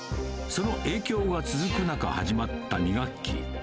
その影響が続く中始まった２学期。